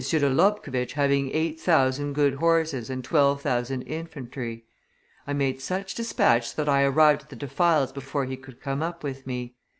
de Lobkowitz having eight thousand good horses and twelve thousand infantry. I made such despatch that I arrived at the defiles before he could come up with me.